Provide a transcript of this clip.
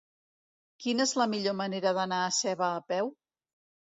Quina és la millor manera d'anar a Seva a peu?